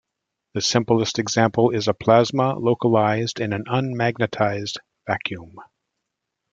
The simplest example is a plasma localized in an unmagnetized vacuum.